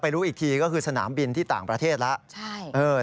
รู้อีกทีก็คือสนามบินที่ต่างประเทศแล้ว